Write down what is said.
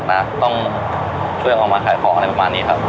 มีขอเสนออยากให้แม่หน่อยอ่อนสิทธิ์การเลี้ยงดู